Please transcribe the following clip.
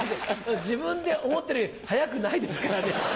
自分で思ってるより速くないですからね。